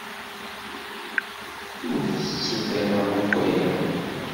Ur ttettut ara akk aya.